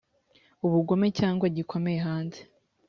ubugome cyangwa gikomeye hanze